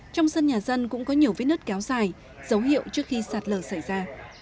trong sân nhà dân cũng có nhiều vết nứt kéo dài dấu hiệu trước khi sạt lở xảy ra